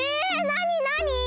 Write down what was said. なになに？